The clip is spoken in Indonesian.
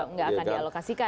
nggak akan dialokasikan